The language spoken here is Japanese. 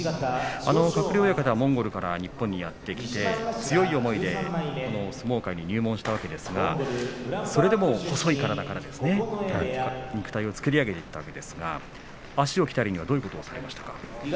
鶴竜親方はモンゴルから日本にやって来て強い思いで相撲界に入門したわけですがそれでも細い体から肉体を作り上げていったわけですが足を鍛えるにはどういうことをされましたか？